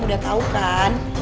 udah tau kan